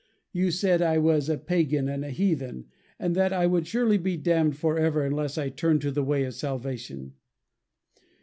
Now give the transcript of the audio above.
You said I was a pagan and a heathen, and that I would surely be damned forever unless I turned to the way of salvation.